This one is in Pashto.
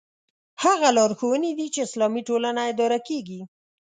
هغه لارښوونې دي چې اسلامي ټولنه اداره کېږي.